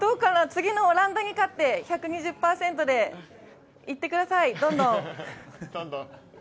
次のオランダに勝って１２０％でいってください、どんどん。